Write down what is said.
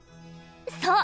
そう！